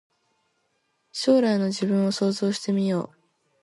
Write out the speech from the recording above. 将来の自分を想像してみよう